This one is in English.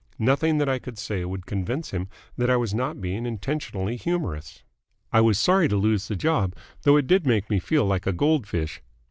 Nothing that I could say would convince him that I was not being intentionally humorous. I was sorry to lose the job, though it did make me feel like a goldfish.